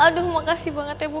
aduh makasih banget ya bu